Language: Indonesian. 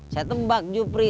saya tebak jupri